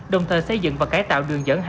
đồng thời xây dựng và cải tạo đường dẫn